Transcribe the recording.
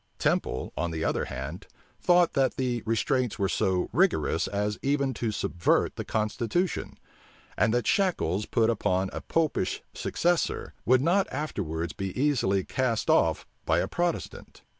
Temple, on the other hand, thought, that the restraints were so rigorous as even to subvert the constitution; and that shackles put upon a Popish successor would not afterwards be easily cast off by a Protestant.